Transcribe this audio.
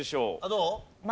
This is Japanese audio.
どう？